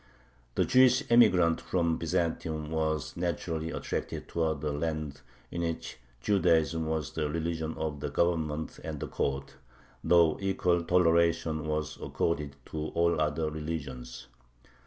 The Jewish emigrants from Byzantium were naturally attracted towards a land in which Judaism was the religion of the Government and the Court, though equal toleration was accorded to all other religions.